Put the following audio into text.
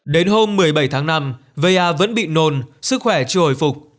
đến hôm một mươi bảy tháng năm vaya vẫn bị nồn sức khỏe chưa hồi phục